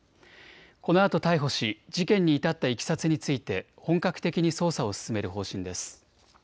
このあと逮捕し事件に至ったいきさつについて本格的に捜査を進める方針です。